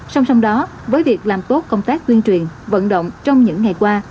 song song đó với việc làm tốt công tác tuyên truyền vận động trong những ngày qua